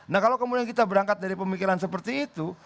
nah kalau kemudian kita berangkat dari pemikiran seperti itu